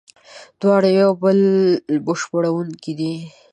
دواړه یو د بل بشپړوونکي دي.